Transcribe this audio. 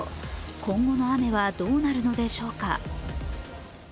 今後の雨はどうなるのでしょうか。